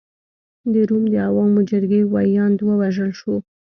د روم د عوامو جرګې ویاند ووژل شو.